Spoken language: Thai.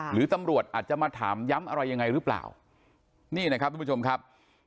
หรือตำรวจอาจจะมาถามย้ำอะไรยังไงหรือเปล่านี่นะครับทุกผู้ชมครับ